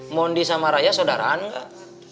mondi sama raya sodaraan gak